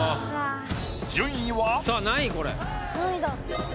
順位は。